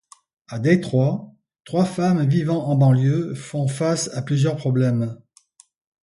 À Détroit, trois femmes vivant en banlieue font face à plusieurs problèmes.